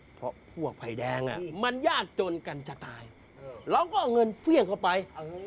เพราะพวกภัยแดงมันยากจนกันจะตายเราก็เอาเงินเฟี่ยงเข้าไป